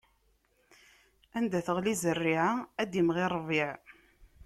Anda teɣli zzerriɛa, ad d-imɣi ṛṛbiɛ.